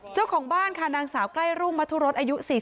เจ้าของบ้านค่ะนางสาวใกล้รุ่งมัธุรสอายุ๔๐